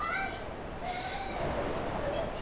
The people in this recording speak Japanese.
はあいそがしいいそがしい！